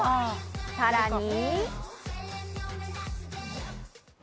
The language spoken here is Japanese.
さらに。